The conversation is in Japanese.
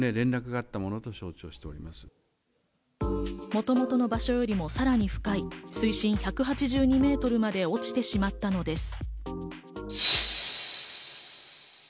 もともとの場所よりもさらに深い、水深１８２メートルまで落ちてしまったのです。